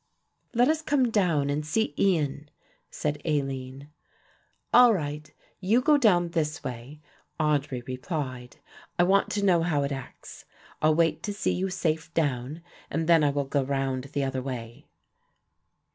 "Let us come down and see Ian," said Aline. "All right; you go down this way," Audry replied. "I want to know how it acts; I'll wait to see you safe down and then I will go round the other way."